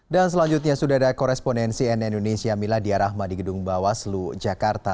dan selanjutnya sudah ada koresponensi nn indonesia miladia rahma di gedung bawaslu jakarta